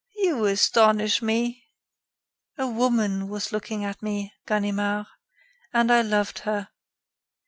"You astonish me." "A woman was looking at me, Ganimard, and I loved her.